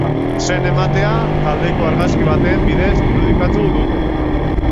Izen-ematea taldeko argazki baten bidez irudikatu dute.